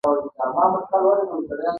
دروغ بد دی.